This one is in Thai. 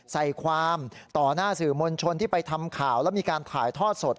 ใส่ความต่อหน้าสื่อมวลชนที่ไปทำข่าวแล้วมีการถ่ายทอดสด